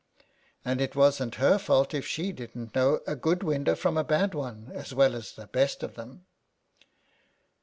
And it wasn't her fault if she. didn't know a good window from a bad one, as well as the best of them.